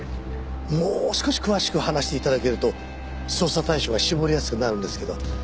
もう少し詳しく話して頂けると捜査対象が絞りやすくなるんですけど。